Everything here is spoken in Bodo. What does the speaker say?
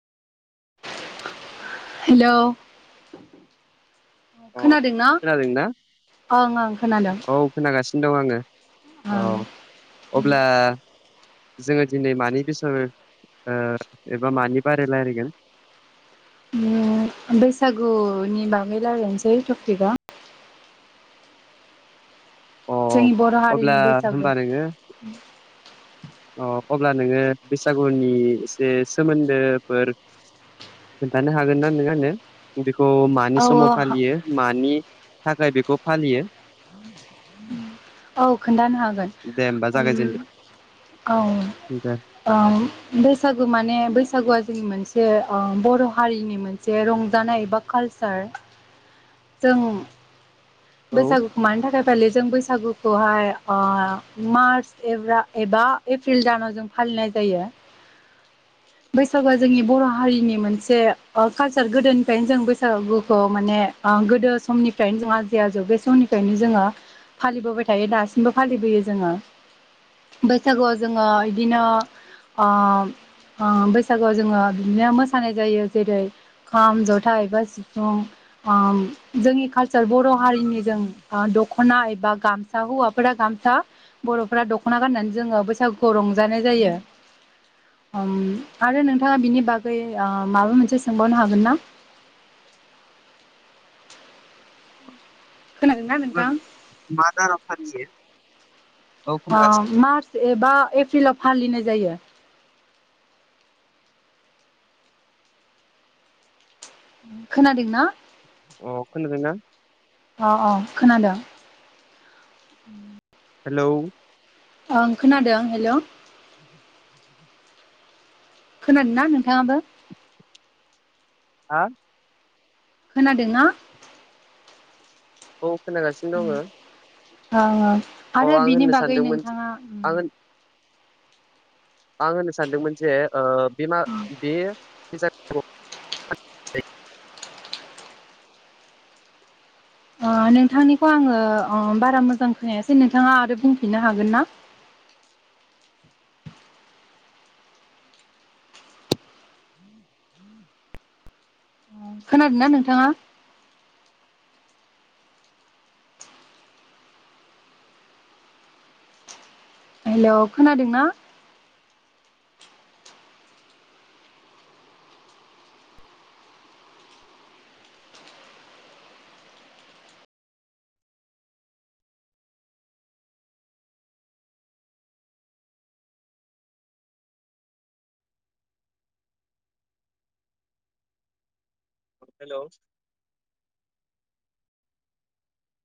हेलौ अ खोनादों ना खोनादोंना ओं ओं खोनादों औ खोनागासिनो दं आङो ओं औ अब्ला जोङो दिनै मानि बिसय ओ एबा मानि बारै रायज्लायगोन उम बैसागुनि बागै रायलायनोसै टपिकआ अ जोंनि बर अब्ला हारिनि बैसागो होमबा नोङो अ अब्ला नोङो बैसागुनि एसे सोमोन्दोफोर खोन्थानो हागोन ना नों आंनो बेखौ मा मानि औ औ समाव फालियो मानि थाखाय बेखौ फालियो औ खोन्थानो हागोन दे होमबा उम जागायजेनदो औ [unintelligible] ओम बैसागु माने बैसागुआ जोंनि मोनसे ओ बर हारिनि मोनसे जे रंजानाय एबा कालसार [inaudible] जों औ बैसागुखौ मानि थाखाय फालि जों बैसागुखौहाय ओ मार्च एब्रा एबा एप्रिल दानाव जों फालिनाय जायो [inaudible] बैसागुआ जोंनि बर' हारिनि मोनसे ओ कालसार गोदोनिफ्रायनो जों बैसागुखौ माने ओ गोदो समनिफ्रायनो जोंहा जै आजौ बे समनिफ्रायनो जोङो फालिबोबाय थायो दासिमबो फालिबोयो जोङो। बैसागुआव जोङो इदिनो ओ ओ बैसागोआव जोङो बिदिनो मोसानाय जायो जेरै खाम जथ था एबा सिफुं अम जोंनि कालचार बर' हारिनि जों ओ दख'ना एबा गामसा हौवाफोरा गामसा बर'फोरा दख'ना गाननानै जोङो बैसागुखौ रंजानाय जायो। अम आरो नोंथाङा बिनि बागै ओ माबा मोनसे सोंबावनो हागोन ना? उ [inaudible] खोनादोंना नोंथां? मा [unintelligible] औ खोनागासिनो अम मार्च एबा एप्रिलाव फालिनाय जायो। खोनादोंना? अ खोनादोंना? अ अ खोनादों। हेलौ। ओं खोनादों हेल'। खोनादों ना नोंथाङाबो? आ खोनादोंना? औ खोनागासिनो दङो। ओं ओं आरो बिनि होननो बागै सानदोंमोन नोंथाङा उम्म आं होन आं होननो सानदोंमोन जे ओ बेमा बेयो ओ नोंथांनिखौ आंङो ओ बारा मोजां खोनायासै नोंथाङा आरो बुंफिननो हागोन ना? खोनादों ना नोंथाङा? हेल' खोनादों ना? हेल'।